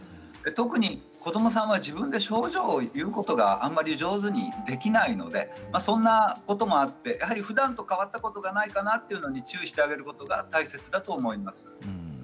特に子どもさんは自分で症状を言うことがあまり上手にできないのでそんなこともあってふだんと変わったことはないかなと注意してあげることが大切だと思います。